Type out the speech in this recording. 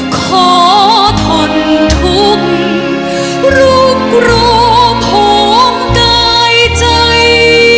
ขอทนทุกข์รุกรวพห่องกายใจ